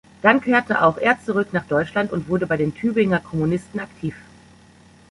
Dann kehrte auch er zurück nach Deutschland und wurde bei den Tübinger Kommunisten aktiv.